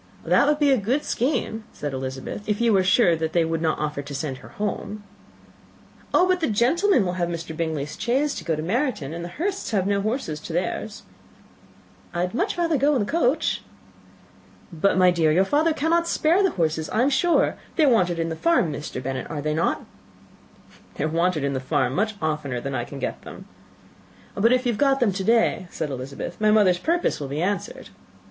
"That would be a good scheme," said Elizabeth, "if you were sure that they would not offer to send her home." "Oh, but the gentlemen will have Mr. Bingley's chaise to go to Meryton; and the Hursts have no horses to theirs." "I had much rather go in the coach." "But, my dear, your father cannot spare the horses, I am sure. They are wanted in the farm, Mr. Bennet, are not they?" [Illustration: Cheerful prognostics] "They are wanted in the farm much oftener than I can get them." "But if you have got them to day," said Elizabeth, "my mother's purpose will be answered."